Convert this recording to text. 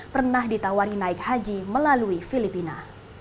pernah ditawari naik haji melalui filipina